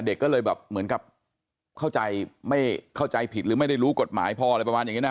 เด็กก็เลยแบบเหมือนกับเข้าใจไม่เข้าใจผิดหรือไม่ได้รู้กฎหมายพออะไรประมาณอย่างนี้นะ